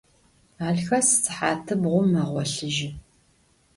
Alxhas sıhat bğum meğolhıjı.